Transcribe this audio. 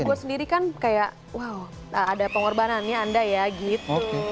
gue sendiri kan kayak wow ada pengorbanannya anda ya gitu